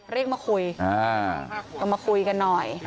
เรียกมาคุยกันหน่อย